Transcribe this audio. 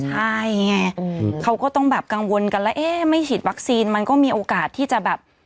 ใช่ไงเขาก็ต้องแบบกังวลกันแล้วเอ๊ะไม่ฉีดวัคซีนมันก็มีโอกาสที่จะแบบ